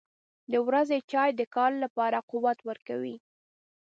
• د ورځې چای د کار لپاره قوت ورکوي.